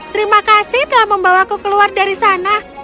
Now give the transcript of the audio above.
terima kasih telah membawaku keluar dari sana